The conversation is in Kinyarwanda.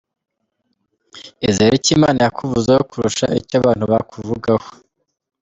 Izere icyo Imana yakuvuzeho kurusha icyo abantu bakuvugaho.